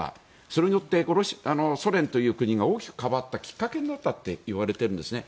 それによってソ連という国が大きく変わったきっかけになったといわれているんですね。